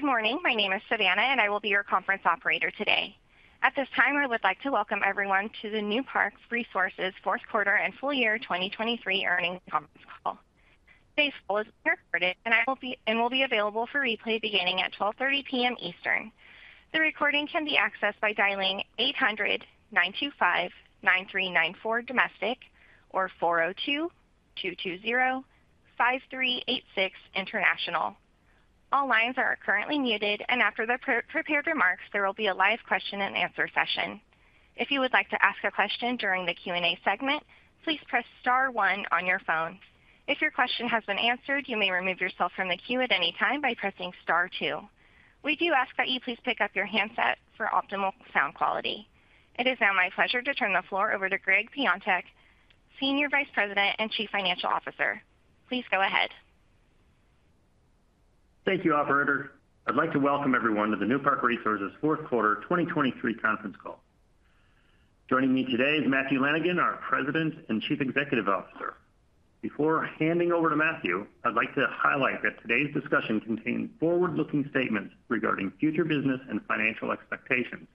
Good morning, my name is Savannah and I will be your conference operator today. At this time I would like to welcome everyone to the Newpark Resources Q4 and full year 2023 earnings conference call. Today's call is being recorded and it will be available for replay beginning at 12:30 P.M. Eastern. The recording can be accessed by dialing 800-925-9394 domestic or 402-220-5386 international. All lines are currently muted and after the prepared remarks there will be a live question and answer session. If you would like to ask a question during the Q&A segment please press star one on your phone. If your question has been answered you may remove yourself from the queue at any time by pressing star two. We do ask that you please pick up your handset for optimal sound quality. It is now my pleasure to turn the floor over to Gregg Piontek, Senior Vice President and Chief Financial Officer. Please go ahead. Thank you, Operator. I'd like to welcome everyone to the Newpark Resources Q4 2023 conference call. Joining me today is Matthew Lanigan, our President and Chief Executive Officer. Before handing over to Matthew I'd like to highlight that today's discussion contains forward-looking statements regarding future business and financial expectations.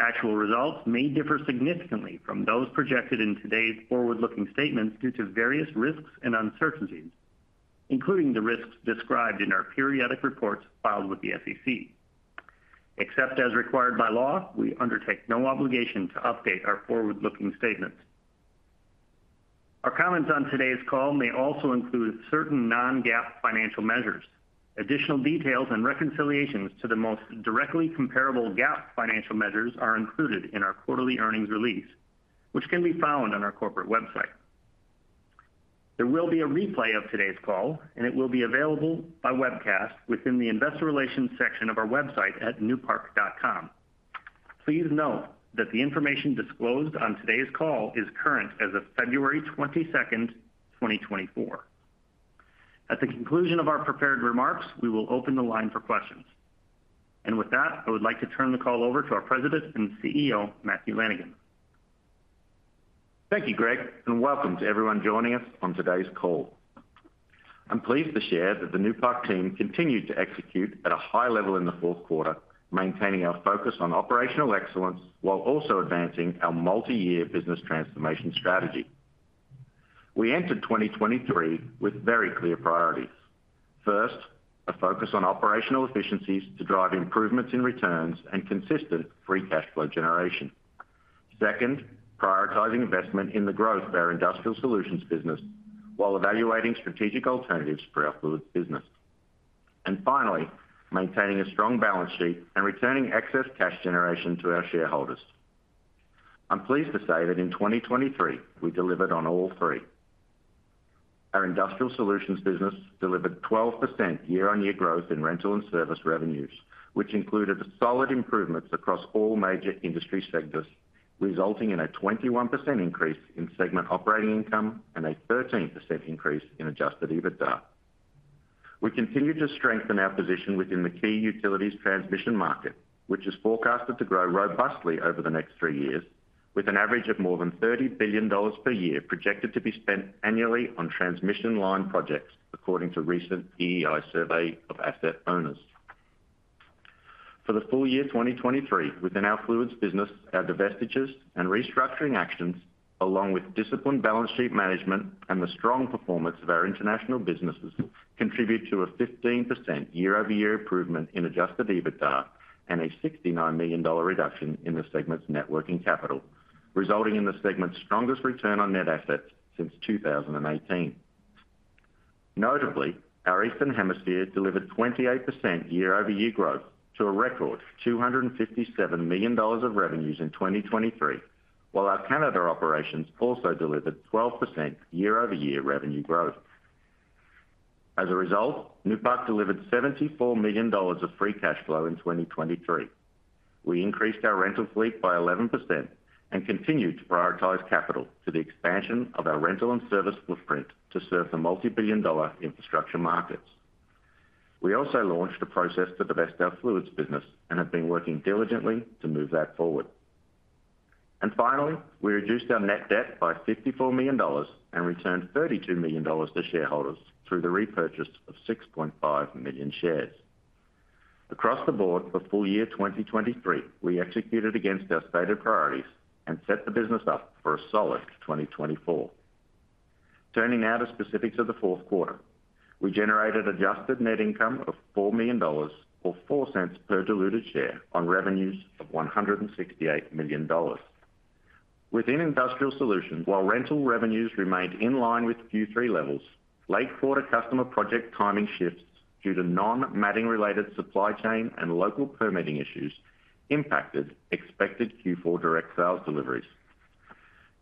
Actual results may differ significantly from those projected in today's forward-looking statements due to various risks and uncertainties including the risks described in our periodic reports filed with the SEC. Except as required by law, we undertake no obligation to update our forward-looking statements. Our comments on today's call may also include certain non-GAAP financial measures. Additional details and reconciliations to the most directly comparable GAAP financial measures are included in our quarterly earnings release, which can be found on our corporate website. There will be a replay of today's call and it will be available by webcast within the investor relations section of our website at newpark.com. Please note that the information disclosed on today's call is current as of February 22nd, 2024. At the conclusion of our prepared remarks we will open the line for questions. With that I would like to turn the call over to our President and CEO Matthew Lanigan. Thank you, Gregg, and welcome to everyone joining us on today's call. I'm pleased to share that the Newpark team continued to execute at a high level in the Q4, maintaining our focus on operational excellence while also advancing our multi-year business transformation strategy. We entered 2023 with very clear priorities. First, a focus on operational efficiencies to drive improvements in returns and consistent free cash flow generation. Second, prioritizing investment in the growth of our Industrial Solutions business while evaluating strategic alternatives for our fluids business. And finally, maintaining a strong balance sheet and returning excess cash generation to our shareholders. I'm pleased to say that in 2023 we delivered on all three. Our Industrial Solutions business delivered 12% year-over-year growth in rental and service revenues which included solid improvements across all major industry sectors resulting in a 21% increase in segment operating income and a 13% increase in Adjusted EBITDA. We continue to strengthen our position within the key utilities transmission market which is forecasted to grow robustly over the next three years with an average of more than $30 billion per year projected to be spent annually on transmission line projects according to recent EEI survey of asset owners. For the full year 2023 within our fluids business our divestitures and restructuring actions along with disciplined balance sheet management and the strong performance of our international businesses contribute to a 15% year-over-year improvement in Adjusted EBITDA and a $69 million reduction in the segment's net working capital resulting in the segment's strongest return on net assets since 2018. Notably, our Eastern Hemisphere delivered 28% year-over-year growth to a record $257 million of revenues in 2023 while our Canada operations also delivered 12% year-over-year revenue growth. As a result, Newpark delivered $74 million of free cash flow in 2023. We increased our rental fleet by 11% and continue to prioritize capital to the expansion of our rental and service footprint to serve the multi-billion-dollar infrastructure markets. We also launched a process to divest our fluids business and have been working diligently to move that forward. And finally, we reduced our net debt by $54 million and returned $32 million to shareholders through the repurchase of 6.5 million shares. Across the board for full year 2023 we executed against our stated priorities and set the business up for a solid 2024. Turning now to specifics of the Q4, we generated adjusted net income of $4 million or $0.04 per diluted share on revenues of $168 million. Within Industrial Solutions, while rental revenues remained in line with Q3 levels, late-quarter customer project timing shifts due to non-matting related supply chain and local permitting issues impacted expected Q4 direct sales deliveries.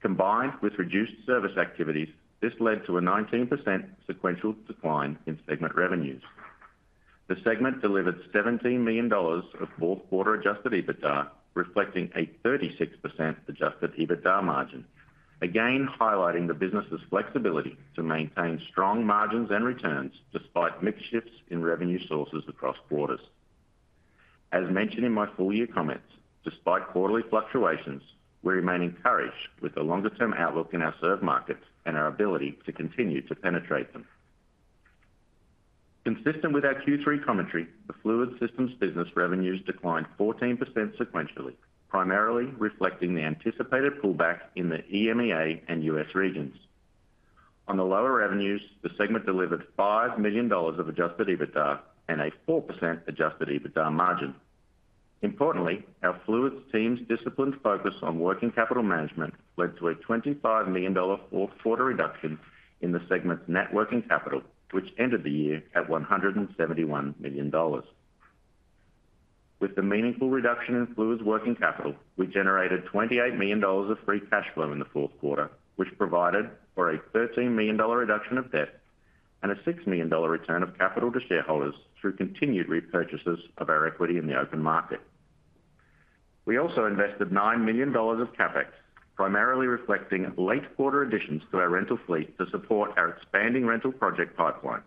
Combined with reduced service activities, this led to a 19% sequential decline in segment revenues. The segment delivered $17 million of Q4 Adjusted EBITDA, reflecting a 36% Adjusted EBITDA margin. Again highlighting the business's flexibility to maintain strong margins and returns despite mixed shifts in revenue sources across quarters. As mentioned in my full-year comments, despite quarterly fluctuations, we remain encouraged with a longer-term outlook in our survey markets and our ability to continue to penetrate them. Consistent with our Q3 commentary, the Fluids Systems business revenues declined 14% sequentially primarily reflecting the anticipated pullback in the EMEA and U.S. regions. On the lower revenues the segment delivered $5 million of adjusted EBITDA and a 4% adjusted EBITDA margin. Importantly, our Fluids team's disciplined focus on working capital management led to a $25 million Q4 reduction in the segment's net working capital which ended the year at $171 million. With the meaningful reduction in Fluids working capital we generated $28 million of free cash flow in the Q4 which provided for a $13 million reduction of debt and a $6 million return of capital to shareholders through continued repurchases of our equity in the open market. We also invested $9 million of CapEx primarily reflecting late quarter additions to our rental fleet to support our expanding rental project pipeline.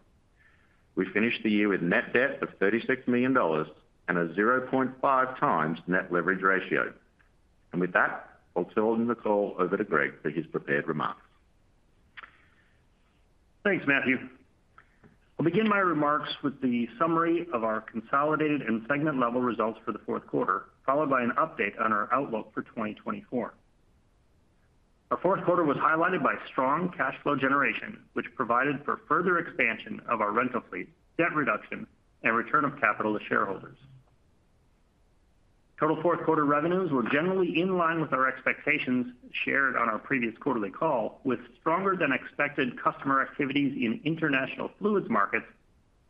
We finished the year with net debt of $36 million and a 0.5 times Net Leverage Ratio. With that I'll turn the call over to Gregg for his prepared remarks. Thanks, Matthew. I'll begin my remarks with the summary of our consolidated and segment-level results for the Q4 followed by an update on our outlook for 2024. Our Q4 was highlighted by strong cash flow generation which provided for further expansion of our rental fleet, debt reduction, and return of capital to shareholders. Total Q4 revenues were generally in line with our expectations shared on our previous quarterly call with stronger than expected customer activities in international fluids markets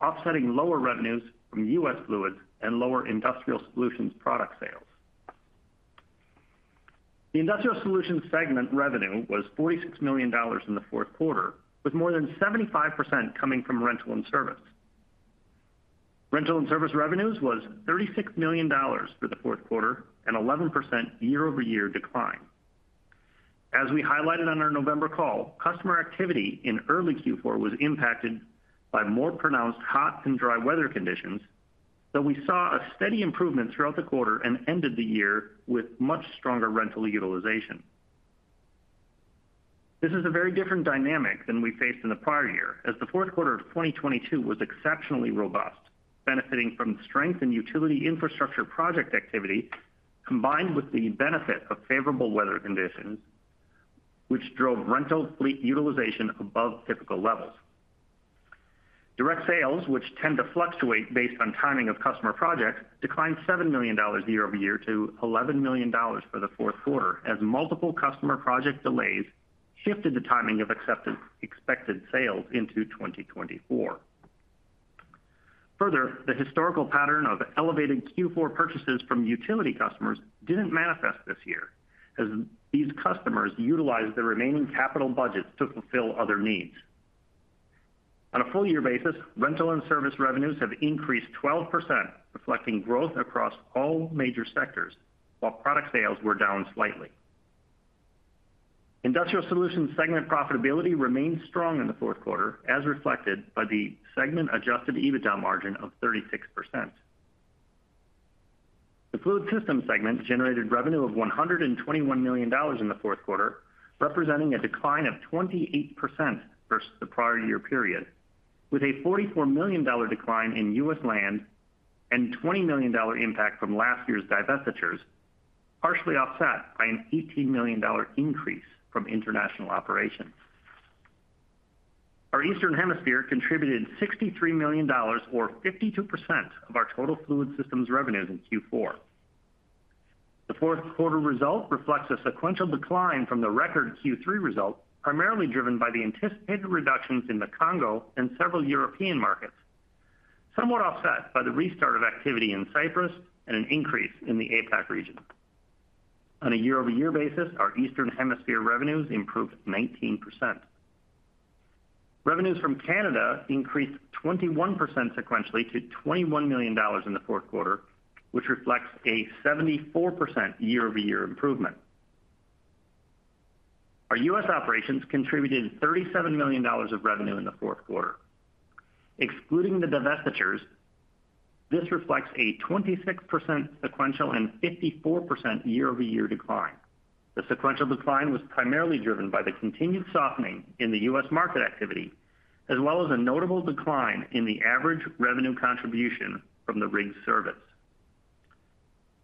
offsetting lower revenues from U.S. fluids and lower Industrial Solutions product sales. The Industrial Solutions segment revenue was $46 million in the Q4 with more than 75% coming from rental and service. Rental and service revenues was $36 million for the Q4 and 11% year-over-year decline. As we highlighted on our November call, customer activity in early Q4 was impacted by more pronounced hot and dry weather conditions though we saw a steady improvement throughout the quarter and ended the year with much stronger rental utilization. This is a very different dynamic than we faced in the prior year as the Q4 of 2022 was exceptionally robust benefiting from strength in utility infrastructure project activity combined with the benefit of favorable weather conditions which drove rental fleet utilization above typical levels. Direct sales which tend to fluctuate based on timing of customer projects declined $7 million year-over-year to $11 million for the Q4 as multiple customer project delays shifted the timing of expected sales into 2024. Further, the historical pattern of elevated Q4 purchases from utility customers didn't manifest this year as these customers utilized the remaining capital budgets to fulfill other needs. On a full year basis, rental and service revenues have increased 12% reflecting growth across all major sectors while product sales were down slightly. Industrial Solutions segment profitability remained strong in the Q4 as reflected by the segment Adjusted EBITDA margin of 36%. The Fluids Systems segment generated revenue of $121 million in the Q4 representing a decline of 28% versus the prior year period with a $44 million decline in U.S. land and $20 million impact from last year's divestitures partially offset by an $18 million increase from international operations. Our eastern hemisphere contributed $63 million or 52% of our total Fluids Systems revenues in Q4. The Q4 result reflects a sequential decline from the record Q3 result primarily driven by the anticipated reductions in the Congo and several European markets. Somewhat offset by the restart of activity in Cyprus and an increase in the APAC region. On a year-over-year basis, our eastern hemisphere revenues improved 19%. Revenues from Canada increased 21% sequentially to $21 million in the Q4 which reflects a 74% year-over-year improvement. Our U.S. operations contributed $37 million of revenue in the Q4. Excluding the divestitures, this reflects a 26% sequential and 54% year-over-year decline. The sequential decline was primarily driven by the continued softening in the U.S. market activity as well as a notable decline in the average revenue contribution from the rental service.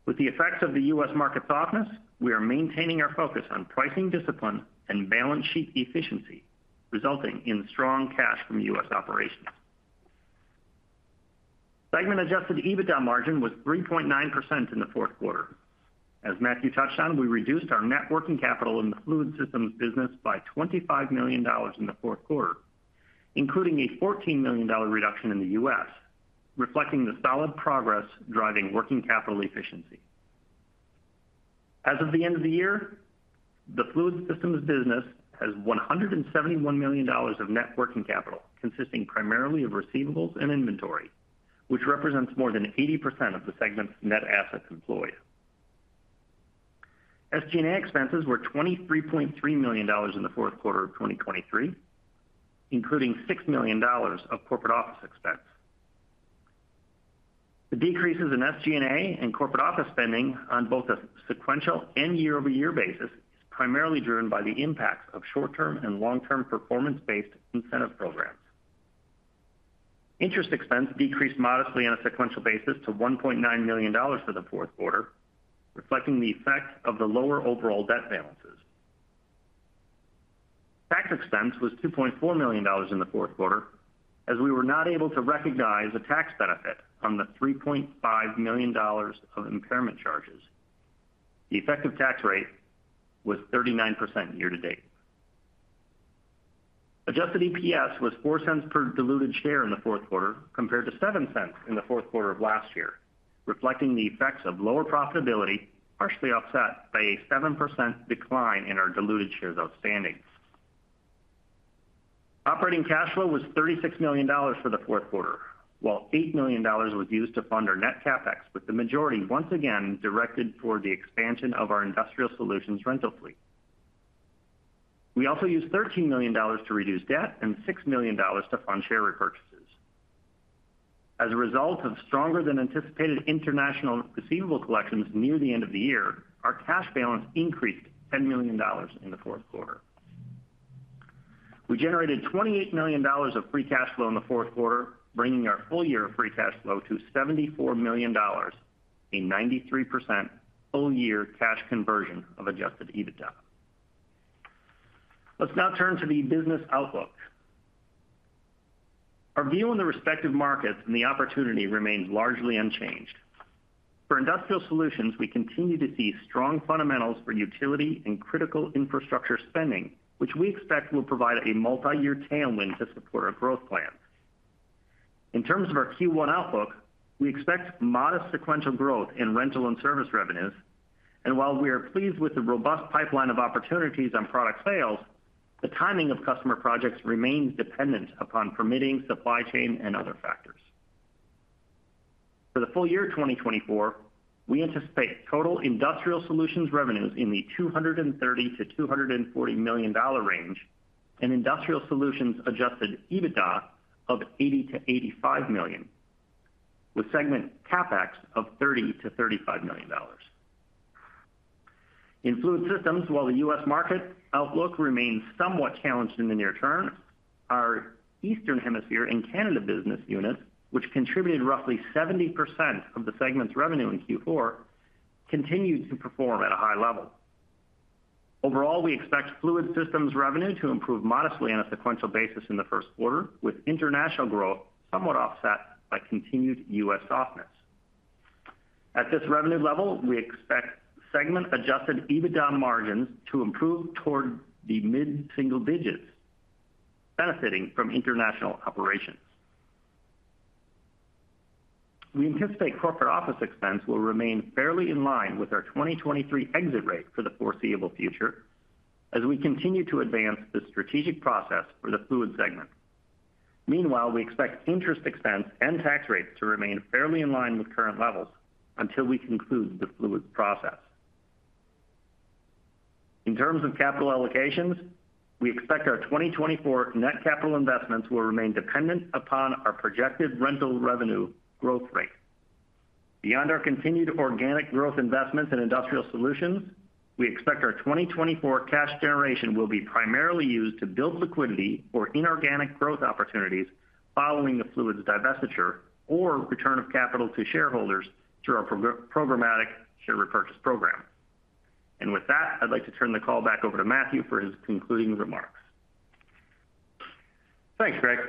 With the effects of the U.S. market softness, we are maintaining our focus on pricing discipline and balance sheet efficiency resulting in strong cash from U.S. operations. Segment Adjusted EBITDA margin was 3.9% in the Q4. As Matthew touched on, we reduced our net working capital in the Fluids Systems business by $25 million in the Q4 including a $14 million reduction in the U.S. reflecting the solid progress driving working capital efficiency. As of the end of the year, the Fluids Systems business has $171 million of net working capital consisting primarily of receivables and inventory which represents more than 80% of the segment's net assets employed. SG&A expenses were $23.3 million in the Q4 of 2023 including $6 million of corporate office expense. The decreases in SG&A and corporate office spending on both a sequential and year-over-year basis is primarily driven by the impacts of short-term and long-term performance-based incentive programs. Interest expense decreased modestly on a sequential basis to $1.9 million for the Q4 reflecting the effect of the lower overall debt balances. Tax expense was $2.4 million in the Q4 as we were not able to recognize a tax benefit on the $3.5 million of impairment charges. The effective tax rate was 39% year-to-date. Adjusted EPS was $0.04 per diluted share in the Q4 compared to $0.07 in the Q4 of last year reflecting the effects of lower profitability partially offset by a 7% decline in our diluted shares outstanding. Operating cash flow was $36 million for the Q4 while $8 million was used to fund our net CapEx with the majority once again directed toward the expansion of our Industrial Solutions rental fleet. We also used $13 million to reduce debt and $6 million to fund share repurchases. As a result of stronger than anticipated international receivable collections near the end of the year, our cash balance increased $10 million in the Q4. We generated $28 million of free cash flow in the Q4, bringing our full year of free cash flow to $74 million, a 93% full-year cash conversion of Adjusted EBITDA. Let's now turn to the business outlook. Our view on the respective markets and the opportunity remains largely unchanged. For Industrial Solutions, we continue to see strong fundamentals for utility and critical infrastructure spending, which we expect will provide a multi-year tailwind to support our growth plans. In terms of our Q1 outlook, we expect modest sequential growth in rental and service revenues, and while we are pleased with the robust pipeline of opportunities on product sales, the timing of customer projects remains dependent upon permitting, supply chain, and other factors. For the full year 2024, we anticipate total Industrial Solutions revenues in the $230-$240 million range and Industrial Solutions adjusted EBITDA of $80-$85 million with segment CapEx of $30-$35 million. In Fluid Systems, while the U.S. market outlook remains somewhat challenged in the near term, our Eastern Hemisphere and Canada business units which contributed roughly 70% of the segment's revenue in Q4 continue to perform at a high level. Overall, we expect Fluid Systems revenue to improve modestly on a sequential basis in the Q1 with international growth somewhat offset by continued U.S. softness. At this revenue level, we expect segment adjusted EBITDA margins to improve toward the mid-single digits benefiting from international operations. We anticipate corporate office expense will remain fairly in line with our 2023 exit rate for the foreseeable future as we continue to advance the strategic process for the fluid segment. Meanwhile, we expect interest expense and tax rates to remain fairly in line with current levels until we conclude the fluids process. In terms of capital allocations, we expect our 2024 net capital investments will remain dependent upon our projected rental revenue growth rate. Beyond our continued organic growth investments in Industrial Solutions, we expect our 2024 cash generation will be primarily used to build liquidity for inorganic growth opportunities following the fluids divestiture or return of capital to shareholders through our programmatic share repurchase program. And with that, I'd like to turn the call back over to Matthew for his concluding remarks. Thanks, Gregg.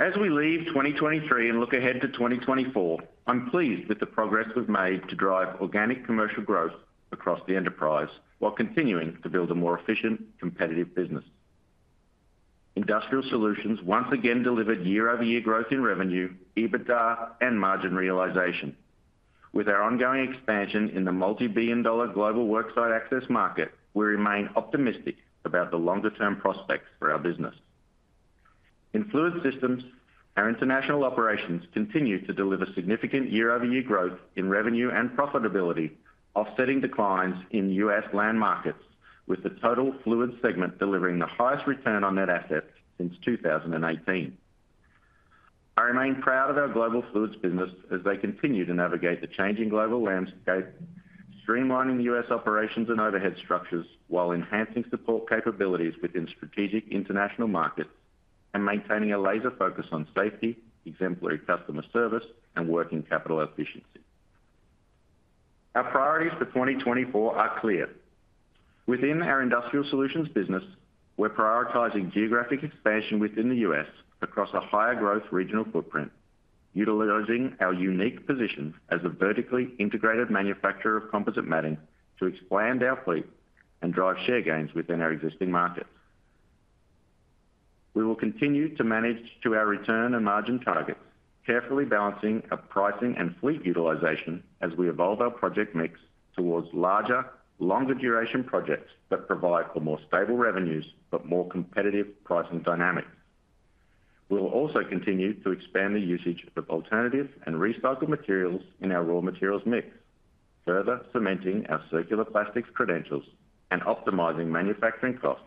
As we leave 2023 and look ahead to 2024, I'm pleased with the progress we've made to drive organic commercial growth across the enterprise while continuing to build a more efficient, competitive business. Industrial solutions once again delivered year-over-year growth in revenue, EBITDA, and margin realization. With our ongoing expansion in the multi-billion-dollar global worksite access market, we remain optimistic about the longer-term prospects for our business. In Fluids Systems, our international operations continue to deliver significant year-over-year growth in revenue and profitability, offsetting declines in U.S. land markets, with the total fluid segment delivering the highest return on net assets since 2018. I remain proud of our global fluids business as they continue to navigate the changing global landscape, streamlining U.S. operations and overhead structures while enhancing support capabilities within strategic international markets and maintaining a laser focus on safety, exemplary customer service, and working capital efficiency. Our priorities for 2024 are clear. Within our Industrial Solutions business, we're prioritizing geographic expansion within the U.S. across a higher growth regional footprint utilizing our unique position as a vertically integrated manufacturer of composite Matting to expand our fleet and drive share gains within our existing markets. We will continue to manage to our return and margin targets carefully balancing our pricing and fleet utilization as we evolve our project mix towards larger, longer-duration projects that provide for more stable revenues but more competitive pricing dynamics. We'll also continue to expand the usage of alternative and recycled materials in our raw materials mix further cementing our circular plastics credentials and optimizing manufacturing costs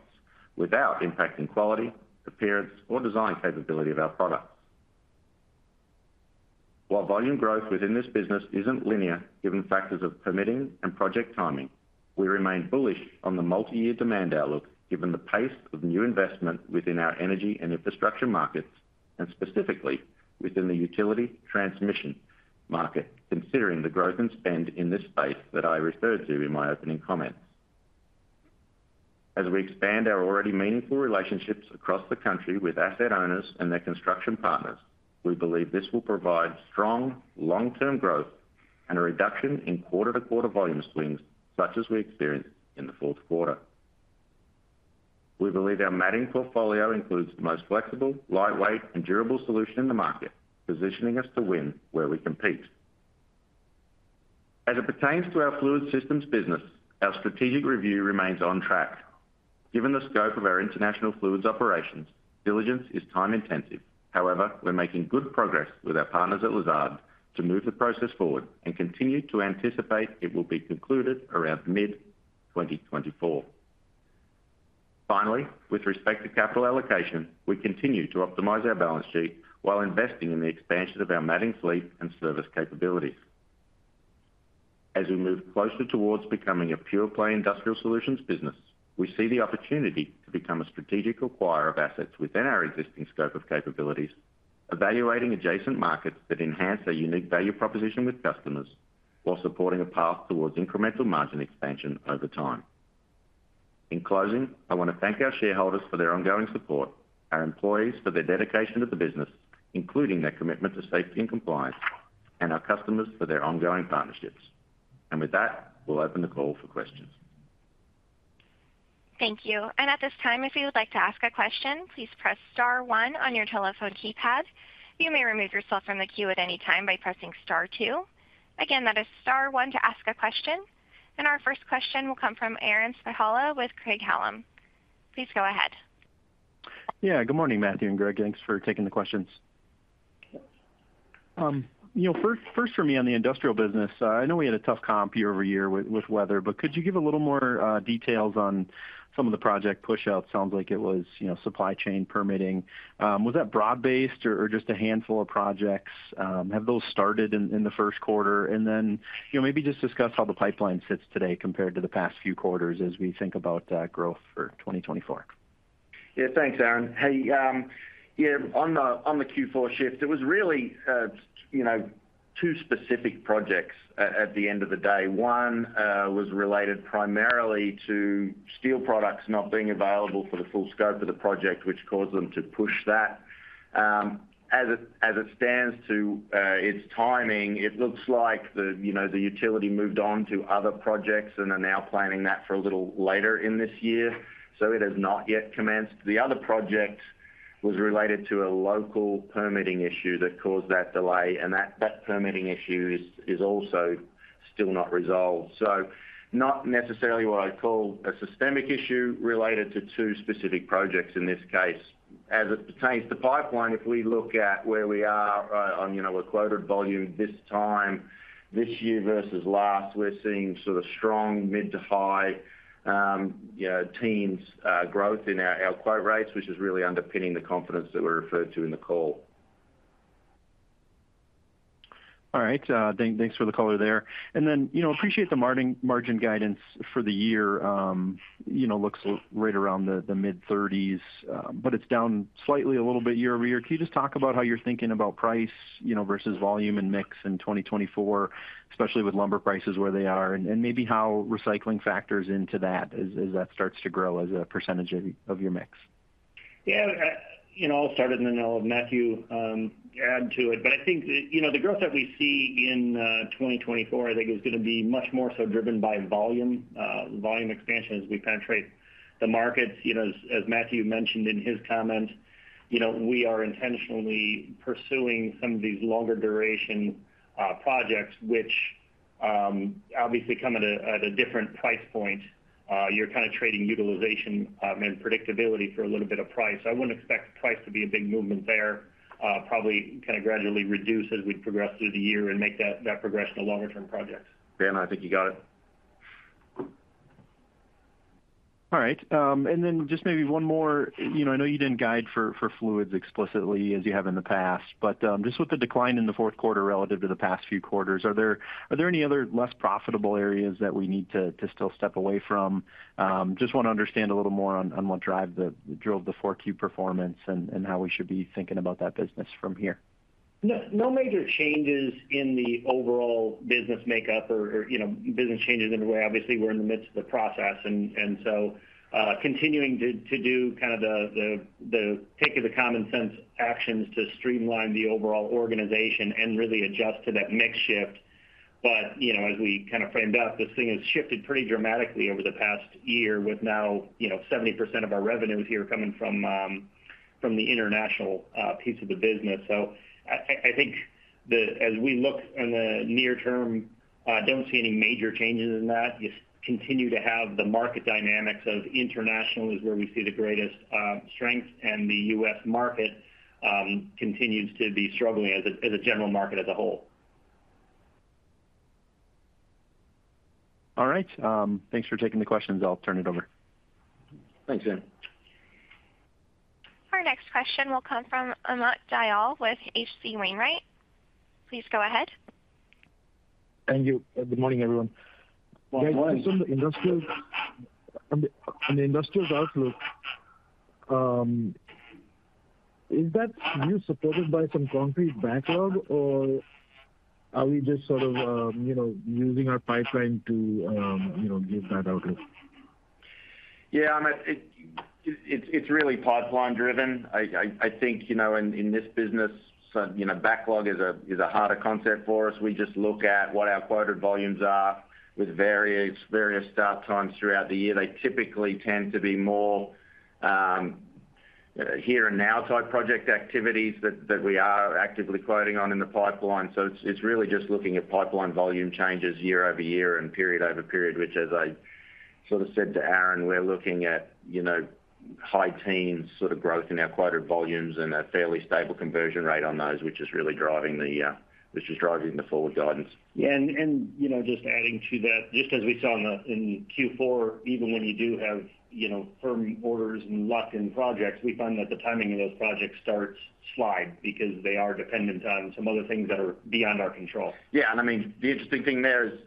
without impacting quality, appearance, or design capability of our products. While volume growth within this business isn't linear given factors of permitting and project timing, we remain bullish on the multi-year demand outlook given the pace of new investment within our energy and infrastructure markets and specifically within the utility transmission market considering the growth and spend in this space that I referred to in my opening comments. As we expand our already meaningful relationships across the country with asset owners and their construction partners, we believe this will provide strong long-term growth and a reduction in quarter-to-quarter volume swings such as we experienced in the Q4. We believe our matting portfolio includes the most flexible, lightweight, and durable solution in the market, positioning us to win where we compete. As it pertains to our Fluids Systems business, our strategic review remains on track. Given the scope of our international Fluids operations, diligence is time-intensive. However, we're making good progress with our partners at Lazard to move the process forward and continue to anticipate it will be concluded around mid-2024. Finally, with respect to capital allocation, we continue to optimize our balance sheet while investing in the expansion of our matting fleet and service capabilities. As we move closer towards becoming a pure-play Industrial Solutions business, we see the opportunity to become a strategic acquirer of assets within our existing scope of capabilities evaluating adjacent markets that enhance our unique value proposition with customers while supporting a path towards incremental margin expansion over time. In closing, I want to thank our shareholders for their ongoing support, our employees for their dedication to the business including their commitment to safety and compliance, and our customers for their ongoing partnerships. With that, we'll open the call for questions. Thank you. At this time, if you would like to ask a question, please press star one on your telephone keypad. You may remove yourself from the queue at any time by pressing star two. Again, that is star one to ask a question. Our first question will come from Aaron Spychalla with Craig-Hallum. Please go ahead. Yeah. Good morning, Matthew and Gregg. Thanks for taking the questions. First for me on the industrial business, I know we had a tough comp year-over-year with weather, but could you give a little more details on some of the project push-outs? Sounds like it was supply chain permitting. Was that broad-based or just a handful of projects? Have those started in the Q1? And then maybe just discuss how the pipeline sits today compared to the past few quarters as we think about growth for 2024. Yeah. Thanks, Aaron. Hey, yeah, on the Q4 shift, it was really two specific projects at the end of the day. One was related primarily to steel products not being available for the full scope of the project which caused them to push that. As it stands to its timing, it looks like the utility moved on to other projects and are now planning that for a little later in this year. So it has not yet commenced. The other project was related to a local permitting issue that caused that delay, and that permitting issue is also still not resolved. So not necessarily what I'd call a systemic issue related to two specific projects in this case. As it pertains to pipeline, if we look at where we are on a quoted volume this time this year versus last, we're seeing sort of strong mid to high teens growth in our quote rates which is really underpinning the confidence that we're referred to in the call. All right. Thanks for the caller there. And then appreciate the margin guidance for the year. Looks right around the mid-30s, but it's down slightly a little bit year-over-year. Can you just talk about how you're thinking about price versus volume and mix in 2024, especially with lumber prices where they are, and maybe how recycling factors into that as that starts to grow as a percentage of your mix? Yeah. I'll start, and now Matthew can add to it. But I think the growth that we see in 2024, I think, is going to be much more so driven by volume expansion as we penetrate the markets. As Matthew mentioned in his comment, we are intentionally pursuing some of these longer-duration projects which obviously come at a different price point. You're kind of trading utilization and predictability for a little bit of price. I wouldn't expect price to be a big movement there. Probably kind of gradually reduce as we progress through the year and make that progression to longer-term projects. Dan, I think you got it. All right. And then just maybe one more. I know you didn't guide for fluids explicitly as you have in the past, but just with the decline in the Q4 relative to the past few quarters, are there any other less profitable areas that we need to still step away from? Just want to understand a little more on what drove the 4Q performance and how we should be thinking about that business from here. No major changes in the overall business makeup or business changes in a way. Obviously, we're in the midst of the process and so continuing to do kind of the take of the common sense actions to streamline the overall organization and really adjust to that mix shift. But as we kind of framed up, this thing has shifted pretty dramatically over the past year with now 70% of our revenues here coming from the international piece of the business. So I think as we look in the near term, I don't see any major changes in that. Just continue to have the market dynamics of international is where we see the greatest strength and the U.S. market continues to be struggling as a general market as a whole. All right. Thanks for taking the questions. I'll turn it over. Thanks, Dan. Our next question will come from Amit Dayal with H.C. Wainwright. Please go ahead. Thank you. Good morning, everyone. On the industrial outlook, is that new supported by some concrete backlog or are we just sort of using our pipeline to give that outlook? Yeah. It's really demand driven. I think in this business, backlog is a harder concept for us. We just look at what our quoted volumes are with various start times throughout the year. They typically tend to be more here and now type project activities that we are actively quoting on in the pipeline. So it's really just looking at pipeline volume changes year-over-year and period-over-period, which as I sort of said to Aaron, we're looking at high teens sort of growth in our quoted volumes and a fairly stable conversion rate on those, which is really driving the which is driving the forward guidance. Yeah. Just adding to that, just as we saw in Q4, even when you do have firm orders and lock-in projects, we find that the timing of those projects starts to slide because they are dependent on some other things that are beyond our control. Yeah. And I mean, the interesting thing there is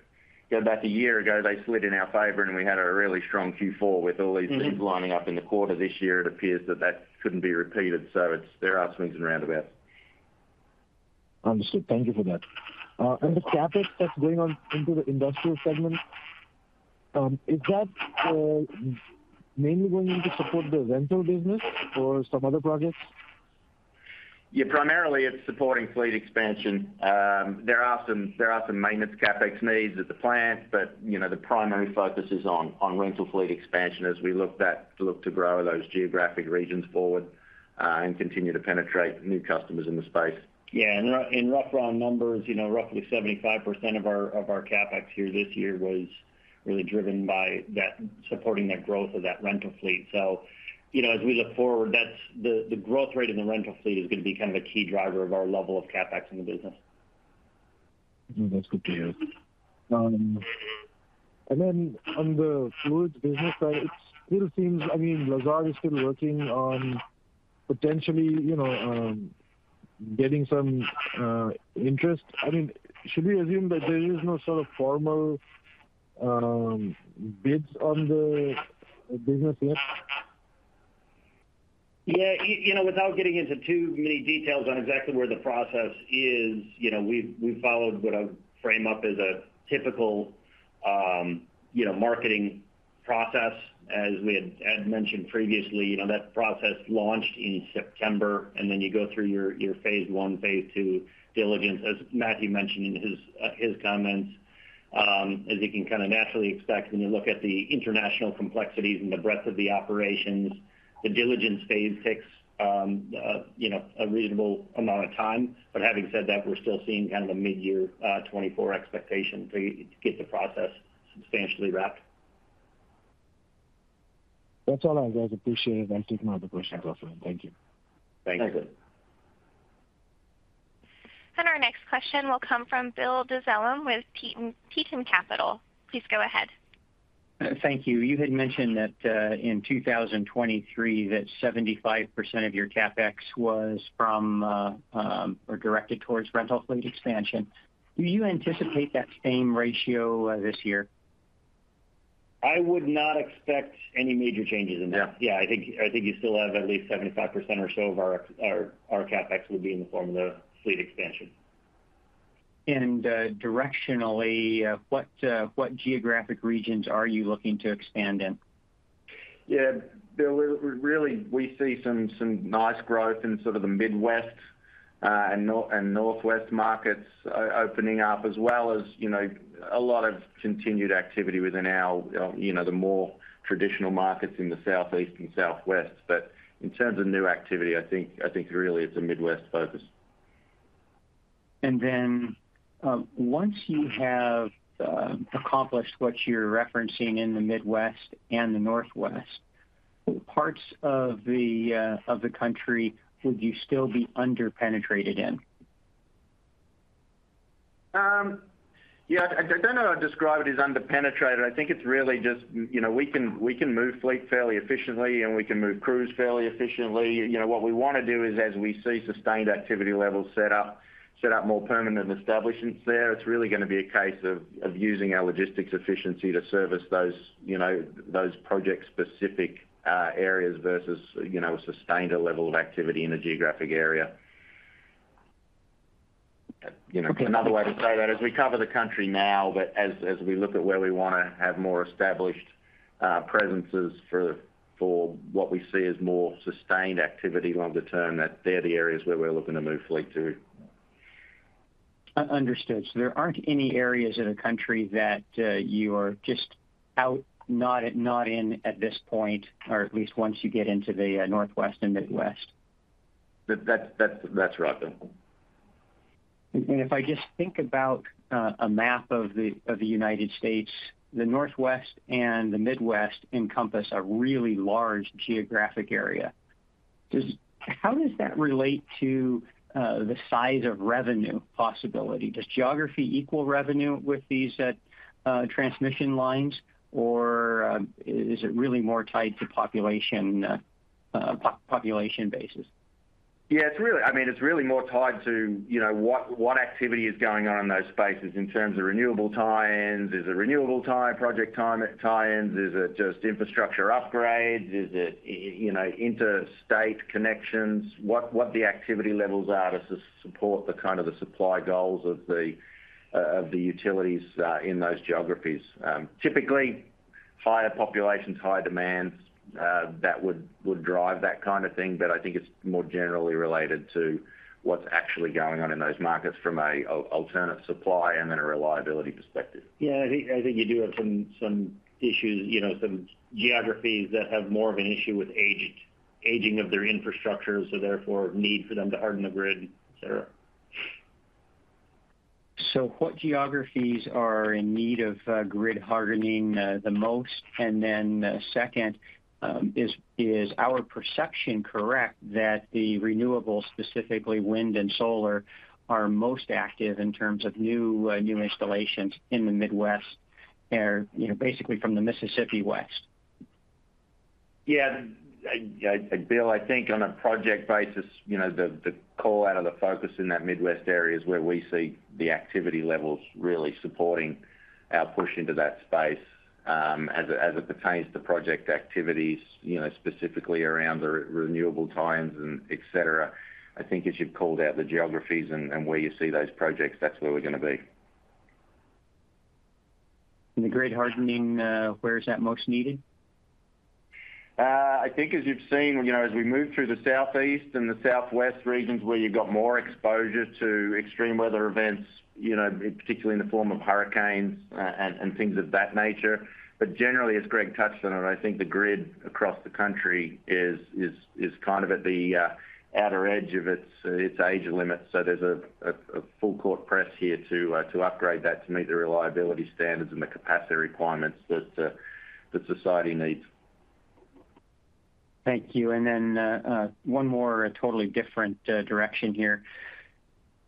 going back a year ago, they slid in our favor and we had a really strong Q4 with all these things lining up in the quarter this year. It appears that that couldn't be repeated. So there are swings and roundabouts. Understood. Thank you for that. And the CapEx that's going on into the industrial segment, is that mainly going into support the rental business or some other projects? Yeah. Primarily, it's supporting fleet expansion. There are some maintenance CapEx needs at the plant, but the primary focus is on rental fleet expansion as we look to grow those geographic regions forward and continue to penetrate new customers in the space. Yeah. In rough round numbers, roughly 75% of our CapEx here this year was really driven by supporting that growth of that rental fleet. As we look forward, the growth rate of the rental fleet is going to be kind of a key driver of our level of CapEx in the business. That's good to hear. And then on the fluids business side, it still seems I mean, Lazard is still working on potentially getting some interest. I mean, should we assume that there is no sort of formal bids on the business yet? Yeah. Without getting into too many details on exactly where the process is, we've followed what I've framed up as a typical marketing process as we had mentioned previously. That process launched in September and then you go through your phase one, phase two diligence as Matthew mentioned in his comments as you can kind of naturally expect when you look at the international complexities and the breadth of the operations. The diligence phase takes a reasonable amount of time. But having said that, we're still seeing kind of a mid-year 2024 expectation to get the process substantially wrapped. That's all, guys. I appreciate it. I'm taking all the questions offline. Thank you. Thanks. Thank you. Our next question will come from Bill Dezellem with Piper Sandler. Please go ahead. Thank you. You had mentioned that in 2023 that 75% of your CapEx was from or directed towards rental fleet expansion. Do you anticipate that same ratio this year? I would not expect any major changes in that. Yeah. I think you still have at least 75% or so of our CapEx would be in the form of the fleet expansion. Directionally, what geographic regions are you looking to expand in? Yeah. Bill, really, we see some nice growth in sort of the Midwest and Northwest markets opening up as well as a lot of continued activity within the more traditional markets in the Southeast and Southwest. But in terms of new activity, I think really it's a Midwest focus. And then once you have accomplished what you're referencing in the Midwest and the Northwest, what parts of the country would you still be under-penetrated in? Yeah. I don't know how to describe it as under-penetrated. I think it's really just we can move fleet fairly efficiently and we can move crews fairly efficiently. What we want to do is as we see sustained activity levels set up, set up more permanent establishments there. It's really going to be a case of using our logistics efficiency to service those project-specific areas versus a sustained level of activity in a geographic area. Another way to say that, as we cover the country now, but as we look at where we want to have more established presences for what we see as more sustained activity longer term, that they're the areas where we're looking to move fleet to. Understood. So there aren't any areas in the country that you are just out, not in at this point or at least once you get into the Northwest and Midwest? That's right, Bill. If I just think about a map of the United States, the Northwest and the Midwest encompass a really large geographic area. How does that relate to the size of revenue possibility? Does geography equal revenue with these transmission lines or is it really more tied to population basis? Yeah. I mean, it's really more tied to what activity is going on in those spaces in terms of renewable tie-ins. Is it renewable tie-in project tie-ins? Is it just infrastructure upgrades? Is it interstate connections? What the activity levels are to support kind of the supply goals of the utilities in those geographies? Typically, higher populations, higher demands, that would drive that kind of thing, but I think it's more generally related to what's actually going on in those markets from an alternate supply and then a reliability perspective. Yeah. I think you do have some issues, some geographies that have more of an issue with aging of their infrastructure. So therefore, need for them to harden the grid, etc. So what geographies are in need of grid hardening the most? And then second, is our perception correct that the renewables, specifically wind and solar, are most active in terms of new installations in the Midwest or basically from the Mississippi West? Yeah. Bill, I think on a project basis, the core out of the focus in that Midwest area is where we see the activity levels really supporting our push into that space. As it pertains to project activities specifically around the renewable tie-ins, etc., I think as you've called out the geographies and where you see those projects, that's where we're going to be. The grid hardening, where is that most needed? I think as you've seen, as we move through the Southeast and the Southwest regions where you've got more exposure to extreme weather events, particularly in the form of hurricanes and things of that nature. But generally, as Gregg touched on it, I think the grid across the country is kind of at the outer edge of its age limit. So there's a full-court press here to upgrade that to meet the reliability standards and the capacity requirements that society needs. Thank you. Then one more totally different direction here.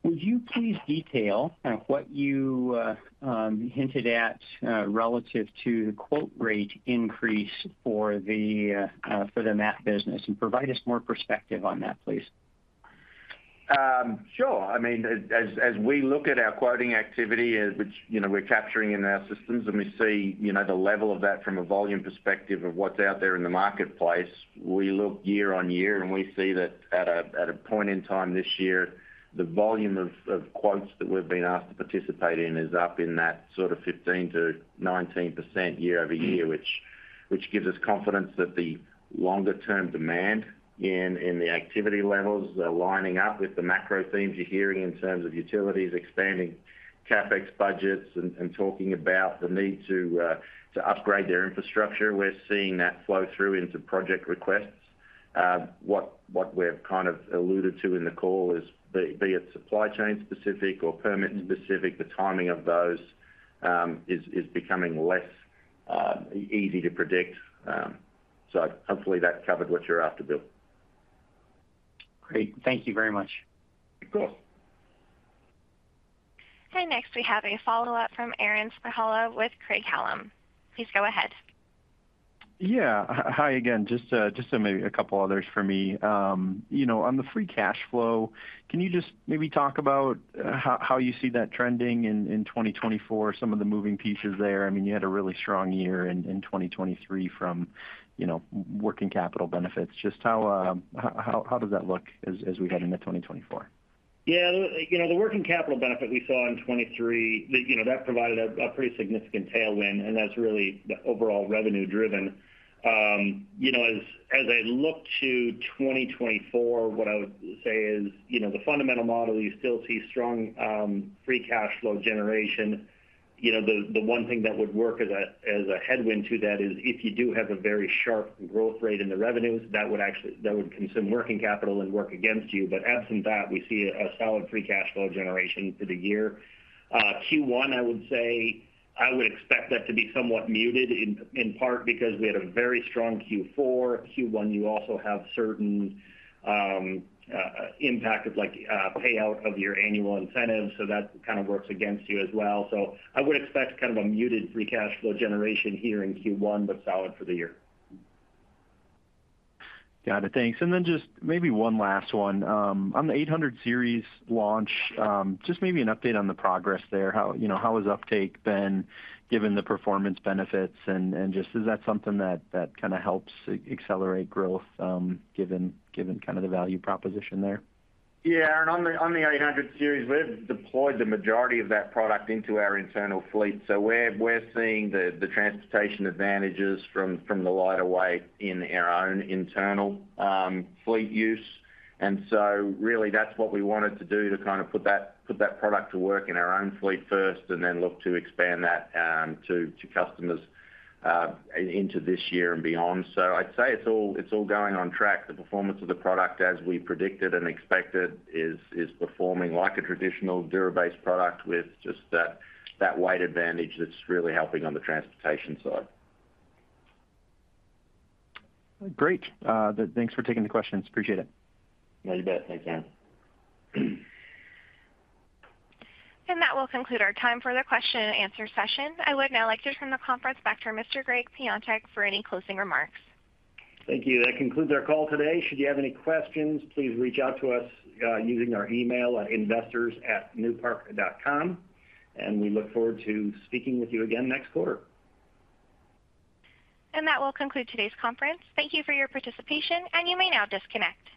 Would you please detail kind of what you hinted at relative to the quote rate increase for the mat business and provide us more perspective on that, please? Sure. I mean, as we look at our quoting activity which we're capturing in our systems and we see the level of that from a volume perspective of what's out there in the marketplace, we look year-over-year and we see that at a point in time this year, the volume of quotes that we've been asked to participate in is up in that sort of 15%-19% year-over-year which gives us confidence that the longer-term demand in the activity levels are lining up with the macro themes you're hearing in terms of utilities expanding CapEx budgets and talking about the need to upgrade their infrastructure. We're seeing that flow through into project requests. What we've kind of alluded to in the call is be it supply chain specific or permit specific, the timing of those is becoming less easy to predict. So hopefully, that covered what you're after, Bill. Great. Thank you very much. Of course. Hey. Next, we have a follow-up from Aaron Spychala with Craig-Hallum. Please go ahead. Yeah. Hi again. Just maybe a couple others for me. On the free cash flow, can you just maybe talk about how you see that trending in 2024, some of the moving pieces there? I mean, you had a really strong year in 2023 from working capital benefits. Just how does that look as we head into 2024? Yeah. The working capital benefit we saw in 2023, that provided a pretty significant tailwind and that's really the overall revenue driven. As I look to 2024, what I would say is the fundamental model, you still see strong free cash flow generation. The one thing that would work as a headwind to that is if you do have a very sharp growth rate in the revenues, that would consume working capital and work against you. But absent that, we see a solid free cash flow generation for the year. Q1, I would expect that to be somewhat muted in part because we had a very strong Q4. Q1, you also have certain impact of payout of your annual incentives. So that kind of works against you as well. So I would expect kind of a muted free cash flow generation here in Q1 but solid for the year. Got it. Thanks. And then just maybe one last one. On the 800-Series launch, just maybe an update on the progress there. How has uptake been given the performance benefits? And just is that something that kind of helps accelerate growth given kind of the value proposition there? Yeah. Aaron, on the 800 Series, we've deployed the majority of that product into our internal fleet. So we're seeing the transportation advantages from the lighter weight in our own internal fleet use. And so really, that's what we wanted to do to kind of put that product to work in our own fleet first and then look to expand that to customers into this year and beyond. So I'd say it's all going on track. The performance of the product as we predicted and expected is performing like a traditional Dura-Base product with just that weight advantage that's really helping on the transportation side. Great. Thanks for taking the questions. Appreciate it. No, you bet. Thanks, Aaron. That will conclude our time for the question and answer session. I would now like to turn the conference back to Mr. Gregg Piontek for any closing remarks. Thank you. That concludes our call today. Should you have any questions, please reach out to us using our email at investors@newpark.com. We look forward to speaking with you again next quarter. That will conclude today's conference. Thank you for your participation and you may now disconnect.